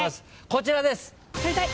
こちらです。